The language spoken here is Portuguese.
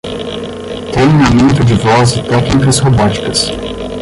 Treinamento de voz e técnicas robóticas